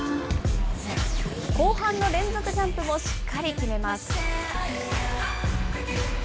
後半の連続ジャンプもしっかり決めます。